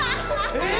えっ？